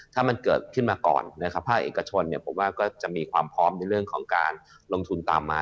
ถ้ามันเกิดขึ้นมาก่อนนะครับภาคเอกชนเนี่ยผมว่าก็จะมีความพร้อมในเรื่องของการลงทุนตามมา